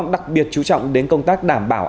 đặc biệt chú trọng đến công tác đảm bảo